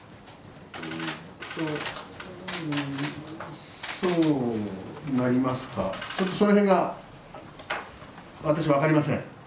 そうなりますか、ちょっとその辺が、私、分かりません。